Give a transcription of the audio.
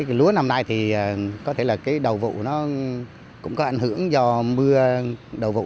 cái lúa năm nay thì có thể là cái đầu vụ nó cũng có ảnh hưởng do mưa đầu vụ